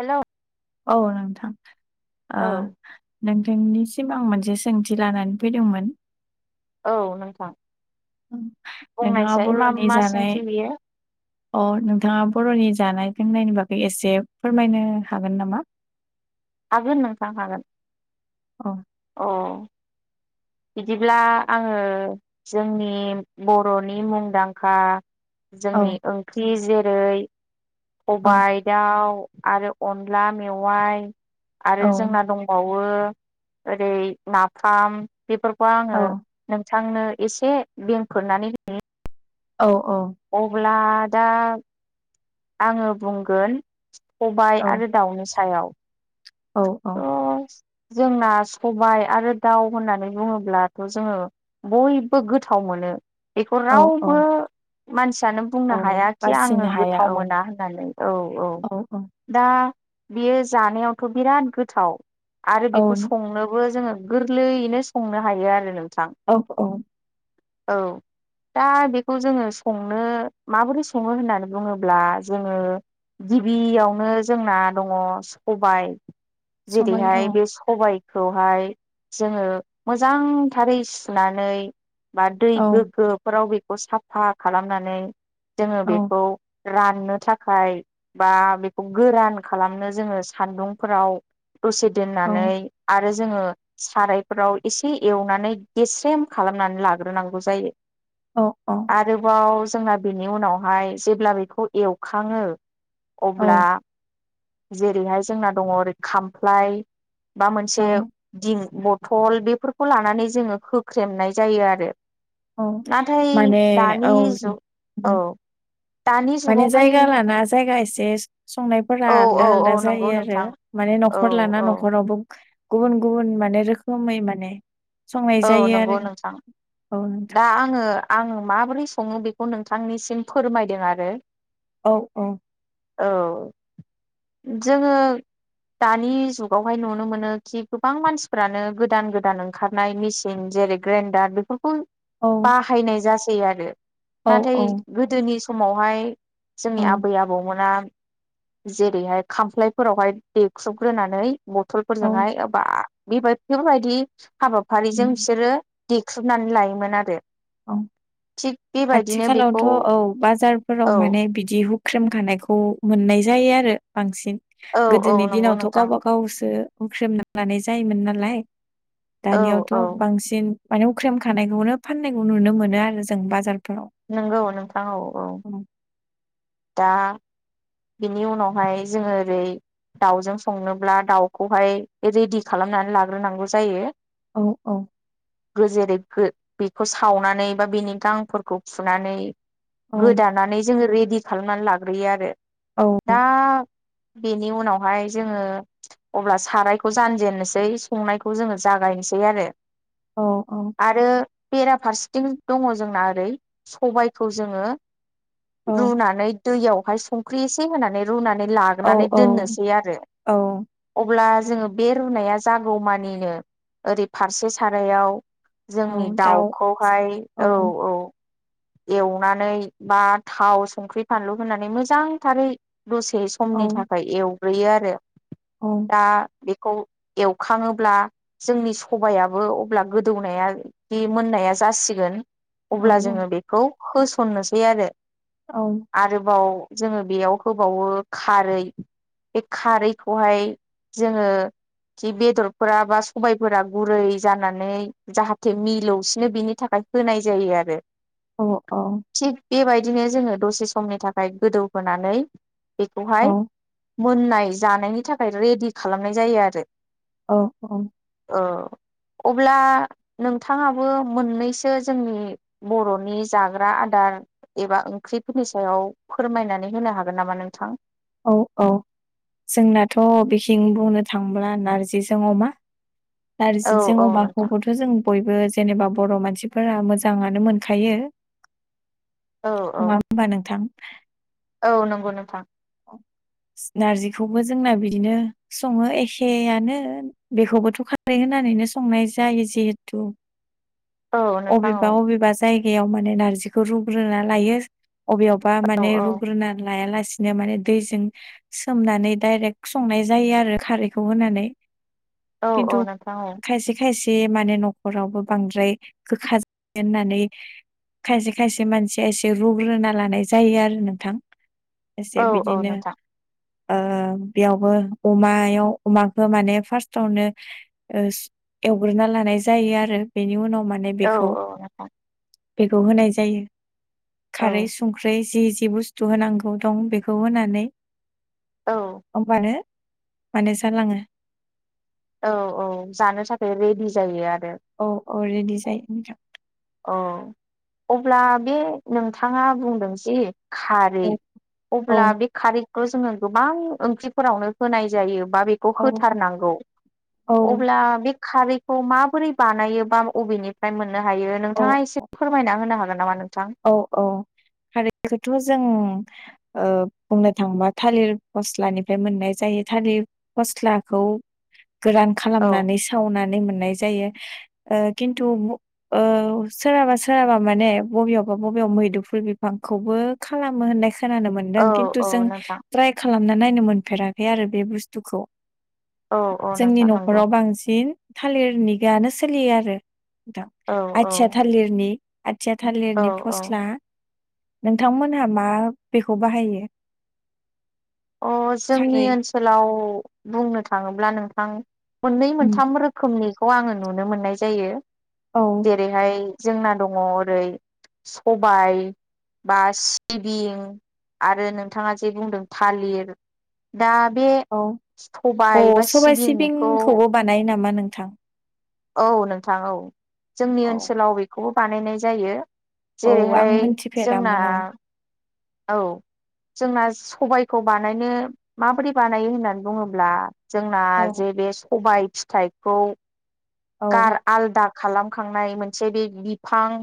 हेल' औ नोंथां ओ नोंथांनि सिम आं मोनसे सोंथि लानानै फैदोंमोन। औ नोंथां। नोंथाङा बुंनायसाय मा बर'नि मा जानाय सोंथि बियो अ नोंथाङा बर'नि जानाय लोंनायनि बागै एसे फोरमायनो हागोन नामा? हागोन नोंथां हागोन। औ अ। बिदिब्ला आङो जोंनि बर'नि मुंदांखा औ जोंनि ओंख्रि जेरै औ सबाय दाउ आरो अनला मेवाय औ आरो जोंना दंबावो। ओरै नाफाम बेफोरखौ औ आङो आंनो एसे बेंफोरनानै होयो। औ औ। अब्ला दा आङो बुंगोन। सबाइ औ आरो दाउनि सायाव औ औ। थ' जोंना सबाइ आरो दाउ होननानै बुङोब्लाथ' जोङो बयबो गोथाव मोनो। बेखौ औ रावबो औ मानसि यानो बुंनो औ हायााखि आङो बासिनो हाया गोथाव औ मोना होननानै औ औ दा बेयो जानायावथ' बिराद गोथाव आरो औ बेखौ न- संनोबो जोङो गोरलैयैनो संनो हायो आरो नों औ औ। औ दा बेखौ जोङो संनो माबोरै सङो होननानै बुङोब्ला जोङो गिबियावनो जोंना दङ' सबाय सबाय औ जेरैहाय बे सबाइ- खौहाय जोङो मोजांथारै सुनानै बा दै औ गोग्गोफोराव बेखौ साफा खालामनानै जोङो औ बेखौ राननो थाखाय बा बेखौ गोरान खालामनो जोङो सान्दुं फोराव दसे औ दोननानै आरो जोङो सारायफोराव एसे एवनानै गेस्रेम खालामनानै लाग्रोनांगौ जायो। औ आरोबाव जोंना बेनि उनावहाय जेब्ला बेखौ एवखाङो औ अब्ला औ जेरैहाय जोंना दङ' ओरै खामफ्लाय बा मोनसे औ दिं बथल बेफोरखौ लानानै जोङो होख्रेमनाय जायो आरो। औ नाथाय माने दानि औ जुग औ दानि माने जुगावहाय जायगा लाना जायगा एसे संनायफोरा औ आलदा औ आलदा नंगौ जायो आरो नोंथां माने औ न'खर लाना औ न'खरावबो गुबुन गुबुन माने रोखोमै माने संनाय औ जायो नंगौ आरो नोंथां औ नोंथां दा आङो आं माबोरै सङो बे खौ नोंथांनिसिम फोरमायदों आरो। औ औ औ जोङो दानि जुगावहाय नुनो मोनो खि गोबां मानसिफ्रानो गोदान गोदान ओंखार नाय मेसिन जेरै ग्रेइन्डार बेफोरखौ औ बाहायनाय जासै आरो औ नाथाय गोदोनि समावहाय जोंनि औ आबै आबौमोना जेरैहाय खामफ्लायफोरावहाय देख्रुबग्रोनानै औ बथलफोरजोंहाय एबा बेबाय-फोरबायदि हाबाफारिजों उम बिसोरो देख्रुबनानै लायोमोन आरो। औ थिग बेबायदिनो आथिखालावथ' बेखौ औ बाजारफोराव औ माने बिदि हु ख्रेमखानायखौ मोननाय जायो आरो बांसिन औ औ गोदोनि नंगौ दिनावथ' नोंथां गावबा गावसो हुख्रेमना लानाय जायोमोन नालाय औ औ दानियावथ' बांसिन माने हुख्रेम खानायखौनो फाननायखौ नुनो मोनो आरो जों बाजार नंगौ नोंथां औ औ दा बेनि उनावहाय जोङो ओरै दाउजों संनोब्ला दाउखौहाय रेडि खालामनानै लाग्रोनांगौ जायो। औ औ जेरै गो बेखौ सावनानै बा बेनि गांफोरखौ फुनानै औ गोदानानै जोङो रेडि खालामनानै लाग्रोयो आरो। औ दा बेनि उनावहाय जोङो अब्ला सारायखौ जानजेननोसै, संनायखौ जोङो जागायनोसै आरो औ औ आरो बेराफारसेथिं दङ' जोंना ओरै सबायखौ जोङो औ रुनानै दैयावहाय संख्रि एसे होनानै रुनानै औ लाग्रोनानै दोननोसै आरो औ अब्ला जोङो बे रुनाया जागौमानिनो ओरै फारसे सारायाव औ जोंनि दाउ दाउखौहाय, औ औ एवनानै बा थाव संख्रि फानलु होनानै मोजांथारै दसे औ समनि थाखाय एवग्रोयो आरो। औ दा बेखौ एवखाङोब्ला जोंनि सबायाबो अब्ला गोदौनाया बे मोननाया जासिगोन औ अब्ला जोङो बेखौ होस'ननोसै आरो औ आरोबाव जोङो बेयाव होबावो खारै। बे खारैखौहाय जोङो जि बेदरफोरा बा सबायफोरा गुरै जानानै जाहाथे मिलौसिनो बिनि थाखाय होनाय जायो आरो औ औ थिग बेबायदिनो जोङो दसे समनि थाखाय गोदोव होनानै औ बेखौहाय मोननाय जानायनि थाखाय रेडि खालामनाय जायो आरो। औ औ औ अब्ला नोंथाङाबो मोननैसो जोंनि बर'नि जाग्रा आदार एबा ओंख्रिफोरनि सायाव फोरमायनानै होनो हागोन नामा नोंथां? औ औ जोंनाथ' बिखिं बुंनो थांब्ला नारजिजों अमा औ नारजिजों औ नोंथां अमाखौबोथ' जों बयबो जेनेबा बर' मानसिफोरा मोजाङानो मोनखायो। औ औ नङा होमबा नोंथां? औ नंगौ नोंथां [inaudible] नारजिखौबो जोंना बिदिनो सङो एखेयानो बेखौबोथ' खारै होननानै नो संनाय जायो जिहेथु औ नोंथां अबेबा औ अबेबा जायगायाव माने नारजिखौ रुग्रोना लायो। अबेयावबा औ माने औ रुग्रोना लायालासे बिदिनो माने दैजों सोमनानै डायरेक्ट संनाय जायो आरो खारैखौ होनानै औ खिनथु औ नोंथां औ खायसे खायसे ए माने न'खरावबो बांद्राय गोखा जाया होननानै खायसे खायसे मानसिया एसे रुगोना लानाय जायो आरो नोंथां। एसे औ औ बिदिनो नोंथां ओ बेयावबो अमायाव अमाखो माने फार्स्टावनो ओ एवग्रोना लानाय जायो आरो बेनि उनाव माने औ बेखौ औ नंगौ। बेखौ होनाय जायो औ खारै संख्रै जि जि बुस्थु होनांगौ दं बेखौ होनानै औ ओनबानो माने जालाङो औ औ जानो थाखाय रेडि जायो आर औ औ रेडि जायो नोंथां। औ अब्ला बे नोंथाङा बुंदों जि खारै औ अब्ला औ बे खारैखौ जोङो गोबां ओंख्रिफोरावनो होनाय जायो। बा बेखौ औ होथारनांगौ औ अब्ला बे खारैखौ माबोरै बानायो बा अबेनिफ्राय मोननो हायो औ नोंथाङा एसे फोरमायना होनो हागोन? नामा नोंथां औ औ खारैखौथ' जों ओ बुंनो थाङोबा थालिर फस्लानिफाय मोननाय जायो थालिर फस्लाखौ गोरान औ खालामनानै सावनानै मोननाय जायो। ओ खिन्थु ओ सोरहाबा सोरहाबा माने बबियाव बावेबा मैदुफुल बिफांखौबो खालामो होननाय खोनानो मोनदों औ खिन्थु औ जों नोंथां ट्राय खालाम ना नायनो मोनफेराखै आरो बे बुस्थुखौ औ औ जोंनि नोंथां नंगौ न'खराव बांसिन थालिरनिगायानो सोलियो आरो थां औ औ आथिया थालिरनि आथिया औ थालिरनि औ फस्ला नोंथांमोनहा मा बेखौ बाहायो? अ जोंनि खारै ओनसोलाव बुंनो थाङोब्ला नोंथां मोननै उम मोनथाम रोखोमनिखौ आङो नुनो मोननाय जायो औ जेरैहाय जोंना दङ ओरै सबाय बा सिबिं आरो नोंथाङा जे बुंदों थालिर दा बे औ अ सबाय बा सबाय सिबिंनिखौ सिबिंखौबो बानायो नामा नोंथां? औ नोंथां औ जोंनि औ ओनसोलाव बेखौबो बानायनाय जायो। औ आं जेरैहाय जोंना मिथिफेरामोन औ औ जोंना सबायखौ बानायनो माबोरै बानायो होननानै बुङोब्ला जोंना जे बे सबाय फिथाइखौ औ गार आलदा खालामखांनाय मोनसे बे बिफां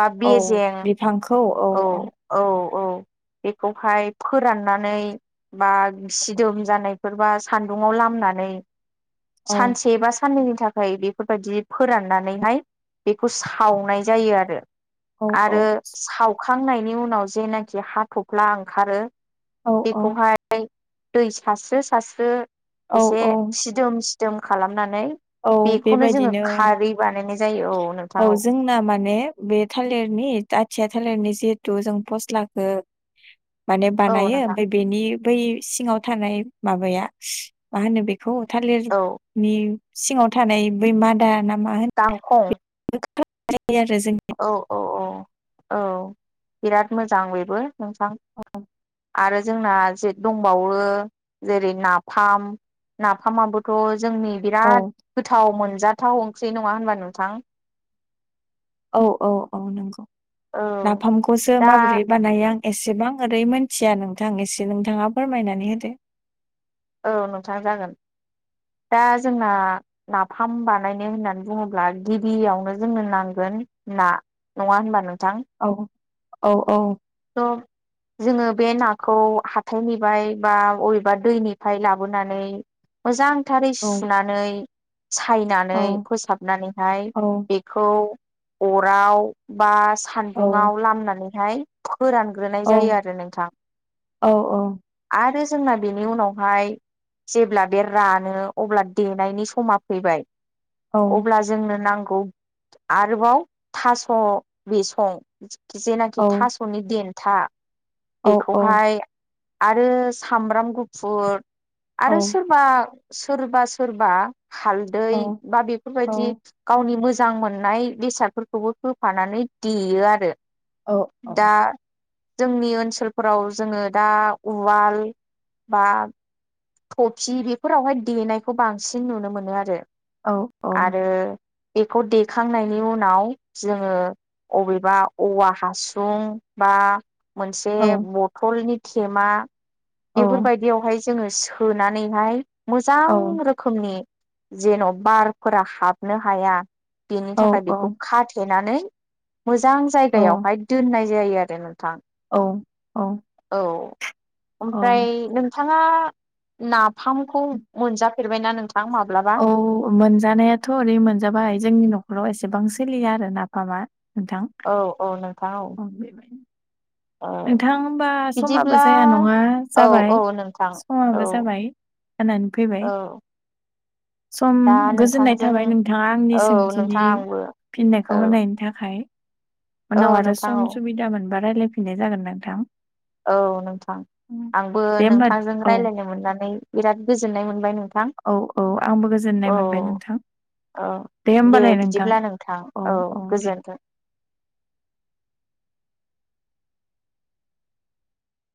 बा औ बेेजें औ औ औ बेखौहाय फोराननानै बा सिदोम जानायफोरबा सान्दुङाव लामनानै औ सानसे बा साननैनि थाखाय बेफोरबायदि फोराननानैहाय बेखौ सावनाय जायो आरो औ औ आरो सावखांनायनि उनाव जेनाखि हाथ'फ्ला ओंखारो औ बेखौहाय दै सास्रो सास्रो औ एसे औ सिदोम सि दोम खालामनानै औ बेखौनो जोङो बेबायदिनो खारै बानायनाय औ जोंना माने बे थालिरनि आथिया थालिरनि जिहेतु जों फस्लाखो माने औ बानायो नोंथां ओमफाय बेनि बै सिङाव थानाय माबाया मा होनो बे खौ औ थालिरनि सिङाव थानाय बै मादा ना मा होन गांखं [inaudible] औ औ औ औ बिराद मोजां बेबो। नोंथां। आरो जोंना जे दंबावो जेरै नाफाम। नाफामाबोथ' जोंनि औ बिराद गोथाव मोनजाथाव ओंख्रि नङा होनबा नोंथां। औ औ औ नंगौ। औ नाफामखौसो दा माबोरै बानायो आं एसेबां ओरै मोनथिया नोंथां एसे नोंथाङा फोरमायनानै होदो। औ नोंथां जागोन। दा जोंना नाफाम बानायनो होननानै बुङोब्ला गिबियावनो जोंनो नांगो ओन [unintelligible] नङा होनबा नों थां औ औ त' जोङो बे नाखौ हाथायनिफाय बा अबेबा दैनिफाय लाबोनानै मोजां थारै सुनानै सायनानै फोसाबनानैहाय बेखौ अराव बा सान्दुङाव लामनानैहाय फोरानग्रोनाय जायो आरो नोंथां आरो जोंना बेनि उनाव हाय जेब्ला बे रानो अब्ला देनायनि समा फैबाय। अब्ला जोंनो नां गौ आरोबाव थास' बेसं। जेनाखि थास'नि देन्था। बेखौहाय आरो सामब्राम गुफुर आरो सोरबा सोरबा सोरबा हालदै बा बेफोरबायदि गावनि मो जां मोननाय बेसादफोरखौबो होफानानै देयो आरो औ औ। दा जोंनि ओनसोलफोराव जोङो दा उवाल बा थफि बेफोरावहाय देनायखौ बांसिन नुनो मोनो आरो औ औ। आरो बेखौ देखांनायनि उनाव जोङो अबेबा औवा हासुं बा मोनसे बथलनि थेमा अ। बहाय जोङो सोनानैहाय मोजां रोखोमनि जेन' बारफोरा हाबनो हाया बेनि थाखाय बेखौ खाथे नानै मोजां जायगायावहाय दोननाय जायो आरो थां औ ओमफ्राय नोंथाङा नाफामखौ मोनजाफेरबायना नों औ मोनजानायाथ' ओरै मोनजाबाय जोंनि न'खराव एसे एसेबां सोलिया आरो नाफामा। औ औ नों अ बेबाय नोंथां होमबा समाबो बिदिब्ला जाया नङा औ जाबाय औ नोंथां औ समाबो जाबाय। जानानै फैबाय। औ सम दा गोजोननाय नोंथांजों थाबाय नोंथाङा आंनि औ सोंथिनि नोंथां आंबो फिननायखौ औ होनायनि थाखाय। औ उनाव आरो नोंथां सम औ सुबिदा मोनबा रायलायफिननाय जागोन नोंथां। औ नोंथां। आंबो दे होमबा नोंथांजों औ रायज्लायनो मोननानै बिराद गोजोननाय मोनबाय नोंथां। औ औ आंबो औ गोजोननाय मोनबाय नोंथां। औ दे बिदिब्ला नोंथां औ गोजोनथों।